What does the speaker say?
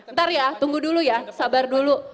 ntar ya tunggu dulu ya sabar dulu